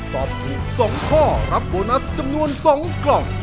ตอบถูก๒ข้อรับโบนัสจำนวน๒กล่อง